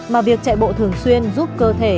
mà việc chạy bộ thường xuyên giúp cơ thể